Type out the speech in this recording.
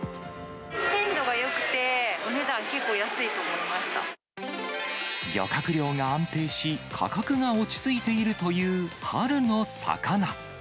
鮮度がよくて、お値段、漁獲量が安定し、価格が落ち着いているという春の魚。